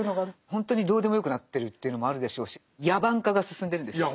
ほんとにどうでもよくなってるというのもあるでしょうし野蛮化が進んでるんですよ。